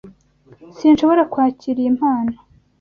Sinshobora kwakira iyi mpano.